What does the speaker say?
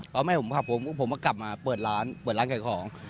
เขาไม่ให้ผมขับผมก็กลับมาเปิดร้านเปิดร้านขายของ